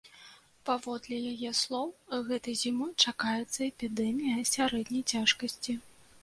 Паводле яе слоў, гэтай зімой чакаецца эпідэмія сярэдняй цяжкасці.